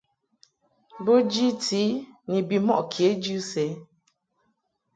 Bo jiti i ni bimɔʼ kejɨ sɛ.